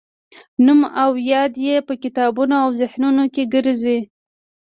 نوم او یاد یې په کتابونو او ذهنونو کې ګرځي.